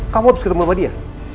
kamu harus ketemu sama dia